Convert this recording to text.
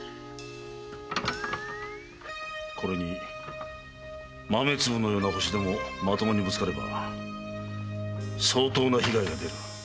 これに豆粒のような星でもまともにぶつかれば相当な被害が出る。